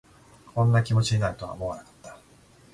こんな気持ちになるとは思わなかった